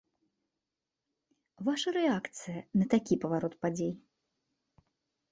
Ваша рэакцыя на такі паварот падзей?